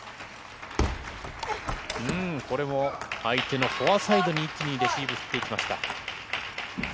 これも相手のフォアサイドに一気にレシーブ振っていきました。